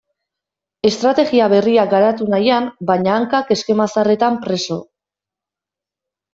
Estrategia berriak garatu nahian, baina hankak eskema zaharretan preso.